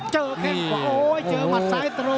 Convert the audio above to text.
เจอแก้งกล่อง